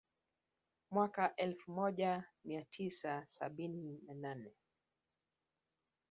Mwaka elfu moja mia tisa sabini na nane